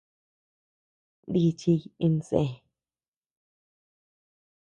Nichiy insë.